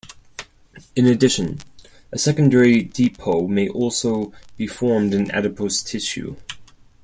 In addition, a secondary depot may also be formed in adipose tissue.